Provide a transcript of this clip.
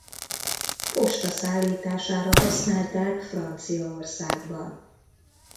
Posta szállítására használták Franciaországban.